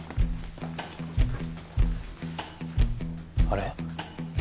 あれ？